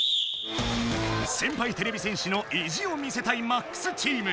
先輩てれび戦士の意地を見せたい「ＭＡＸ」チーム。